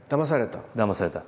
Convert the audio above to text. だまされた？